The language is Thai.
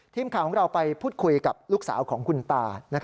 ทีมข่าวของเราไปพูดคุยกับลูกสาวของคุณตา